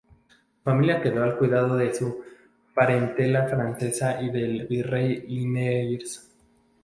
Su familia quedó al cuidado de su parentela francesa y del virrey Liniers.